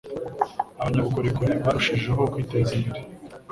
abanyabukorikori barushijeho kwiteza imbere